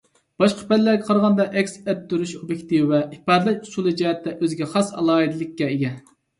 باشقا پەنلەرگە قارىغاندا ئەكس ئەتتۈرۈش ئوبيېكتى ۋە ئىپادىلەش ئۇسۇلى جەھەتتە ئۆزىگە خاس ئالاھىدىلىككە ئىگە.